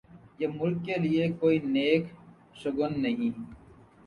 یہ ملک کے لئے کوئی نیک شگون نہیں۔